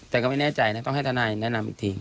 แต่ก็ไม่แน่ใจนะต้องให้ทนายแนะนำอีกที